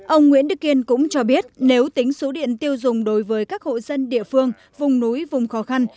ông nguyễn đức kiên cũng cho biết nếu tính số điện tiêu dùng đối với các hộ dân địa phương vùng núi vùng khó khăn